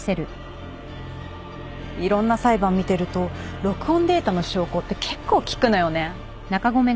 いろんな裁判見てると録音データの証拠って結構きくのよね。